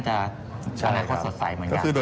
น่าจะประมาณค่อนสดใสเหมือนกัน